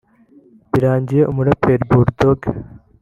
Birangiye umuraperi Bull Dogg